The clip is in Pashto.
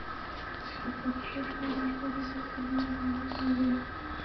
د پښتو هنرمندانو نوم به نوره نړۍ واوري.